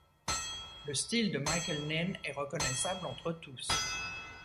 Le style de Michael Ninn est reconnaissable entre tous.